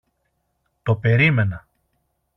Το περίμενα.